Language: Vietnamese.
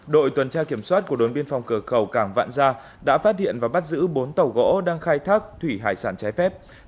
đội tuần tra kiểm soát của đồn biên phòng cửa khẩu cảng vạn gia đã phát hiện và bắt giữ bốn tàu khai thác thủy sản trái phép